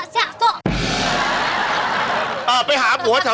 จบตั้งแนนำคนแนนำ